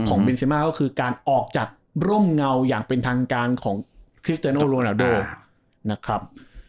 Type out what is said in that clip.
เบนเซมาก็คือการออกจากร่มเงาอย่างเป็นทางการของคริสเตอร์โนโรนาโดนะครับ